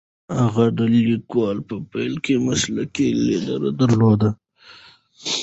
هغې د لیکلو په پیل کې مسلکي لیدلوری درلود.